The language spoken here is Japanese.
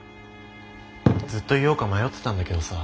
ずっと言おうか迷ってたんだけどさ。